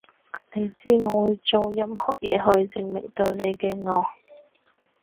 你知我會做任何嘢去證明對你嘅愛